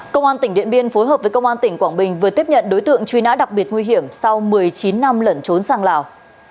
công an tỉnh điện biên phối hợp với công an tỉnh quảng bình vừa tiếp nhận đối tượng truy nã đặc biệt nguy hiểm sau một mươi chín năm lẩn trốn sang lào